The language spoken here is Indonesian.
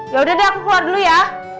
yaudah deh aku keluar dulu ya